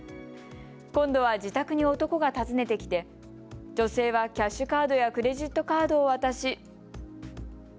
今度は自宅に男が訪ねてきて女性はキャッシュカードやクレジットカードを渡し。